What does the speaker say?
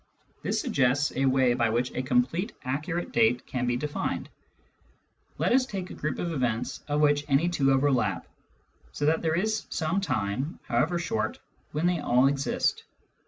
This suggests a way by which a completely accurate date can be defined. Lct us take a group of event? fif whirh^ny two overlap, so that there is some time, however shortTwhetr they all exist.